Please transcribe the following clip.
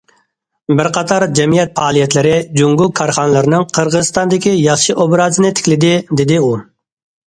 « بىر قاتار جەمئىيەت پائالىيەتلىرى جۇڭگو كارخانىلىرىنىڭ قىرغىزىستاندىكى ياخشى ئوبرازىنى تىكلىدى» دېدى ئۇ.